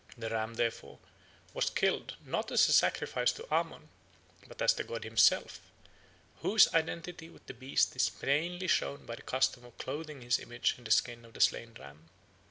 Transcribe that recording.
The ram, therefore, was killed, not as a sacrifice to Ammon, but as the god himself, whose identity with the beast is plainly shown by the custom of clothing his image in the skin of the slain ram.